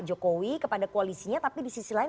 jokowi kepada koalisinya tapi di sisi lain